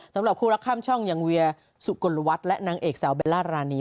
สำหรับคู่รักข้ามช่องอย่างเวียสุกลวัฒน์และนางเอกสาวเบลล่ารานี